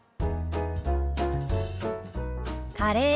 「カレー」。